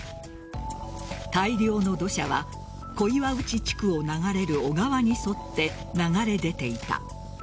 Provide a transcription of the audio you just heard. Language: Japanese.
大量の土砂は小岩内地区を流れる小川に沿って流れ出ていた。